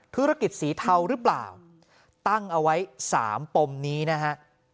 ธุรกิจสีเทาหรือเปล่าตั้งเอาไว้๓ปมนี้นะฮะ